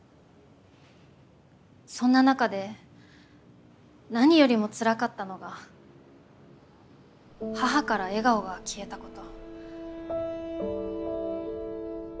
そんな中で何よりもつらかったのが母から笑顔が消えたこと。